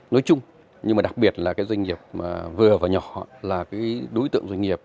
nói chung nhưng mà đặc biệt là cái doanh nghiệp vừa và nhỏ là cái đối tượng doanh nghiệp